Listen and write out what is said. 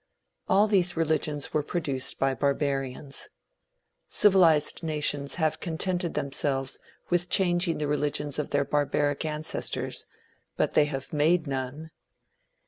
All these religions were produced by barbarians. Civilized nations have contented themselves with changing the religions of their barbaric ancestors, but they have made none.